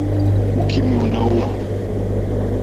ukimwi unaua